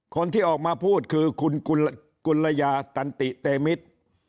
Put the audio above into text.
คนที่ออกมาพูดคือคุณกุลยาตันติเตมิตร